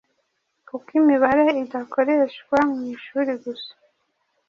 kuko imibare idakoreshwa mu ishuri gusa